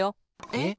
えっ？